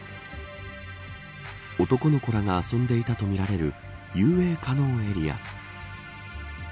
男の子らが遊んでいたとみられる遊泳可能エリア。